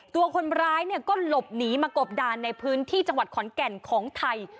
ตัวคนร้ายก็หลบหนีมากบดานในพื้นที่จังหวัดขอนแก่นของไทย